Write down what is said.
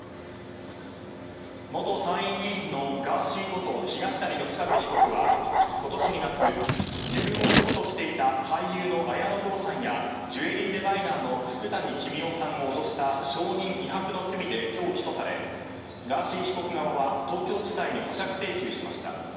元参院議員のガーシーこと東谷義和被告は今年２月、自分を告訴していた俳優の綾野剛さんやジュエリーデザイナーを脅した証人威迫の罪で今日、起訴されガーシー被告側は東京地裁に保釈請求しました。